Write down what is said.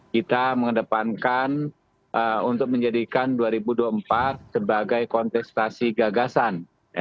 kita mengedepankan untuk menjadikan dua ribu dua puluh empat sebagai kontestasi gagasan